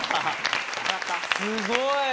すごい！